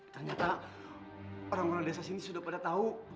ternyata orang orang desa sini sudah pada tahu